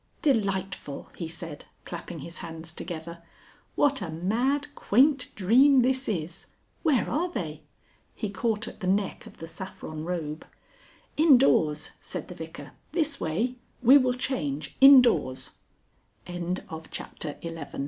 "Delightful!" he said, clapping his hands together. "What a mad, quaint dream this is! Where are they?" He caught at the neck of the saffron robe. "Indoors!" said the Vicar. "This way. We will change indoors!" XII.